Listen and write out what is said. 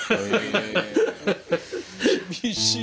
え厳しい。